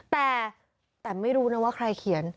แต่แต่ไม่รู้นะว่าใครเขียน